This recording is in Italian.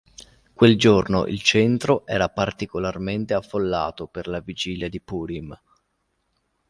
Quel giorno il centro era particolarmente affollato per la vigilia di Purim.